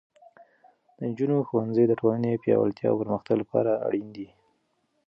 د نجونو ښوونځی د ټولنې پیاوړتیا او پرمختګ لپاره اړین دی.